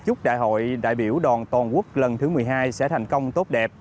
chúc đại hội đại biểu đoàn toàn quốc lần thứ một mươi hai sẽ thành công tốt đẹp